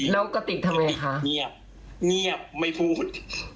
แล้วกระติกทำไงคะเงียบเงียบไม่พูด